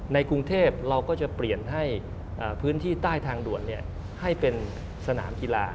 ในกรุงเทพเราก็จะเปลี่ยนให้พื้นที่ใต้ทางด่วนให้เป็นสนามกีฬา